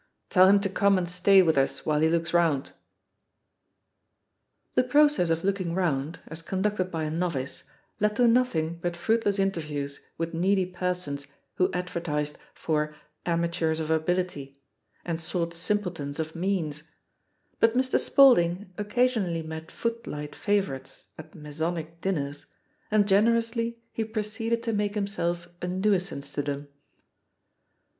Tell him to come and stay with us while he looks round." The process of looking round, as conducted by a novice, led to nothing but fruitless inter views with needy persons who advertised for "Amateurs of ability" and sought simpletons of means, but Mr. Spaulding occasionally met foot light favourites at Masonic dinners, and gener ously he proceeded to make himself a nuisance to them.